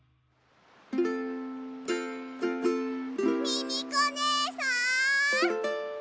ミミコねえさん！